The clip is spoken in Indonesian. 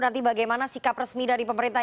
nanti bagaimana sikap resmi dari pemerintah